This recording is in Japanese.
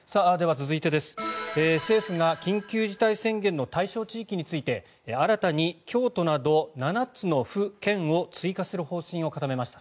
続いてです、政府が緊急事態宣言の対象地域について新たに京都など７つの府県を追加する方針を固めました。